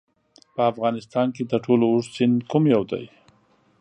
په افغانستان کې تر ټولو اوږد سیند کوم یو دی؟